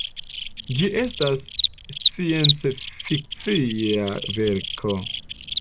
Ĝi estas sciencfikcia verko.